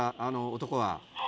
男は。